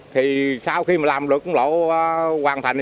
thì sau khi mà làm được con lỗ hoàn thành